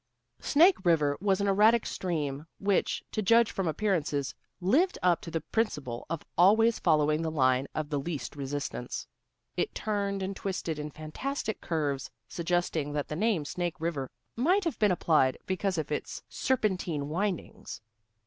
Snake River was an erratic stream, which, to judge from appearances, lived up to the principle of always following the line of the least resistance. It turned and twisted in fantastic curves, suggesting that the name Snake River might have been applied because of its serpentine windings.